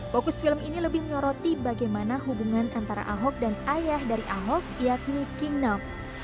fokus film ini lebih menyoroti bagaimana hubungan antara ahok dan ayah dari ahok yakni king nong